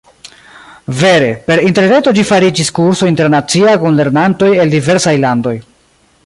Vere, per interreto ĝi fariĝis kurso internacia kun lernantoj el diversaj landoj.